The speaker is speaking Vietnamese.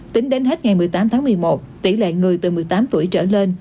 tính đến hết ngày một mươi tám tháng một mươi một tỷ lệ người từ một mươi tám tuổi trở lên